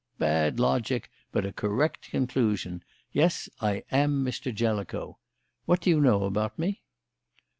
Bad logic, but a correct conclusion. Yes, I am Mr. Jellicoe. What do you know about me?"